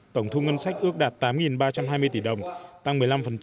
tổng thu ngân sách ước đạt tám ba trăm hai mươi tỷ đồng tăng một mươi năm